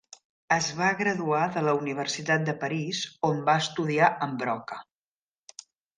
Es va graduar de la Universitat de París on va estudiar amb Broca.